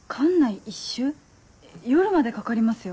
夜までかかりますよ。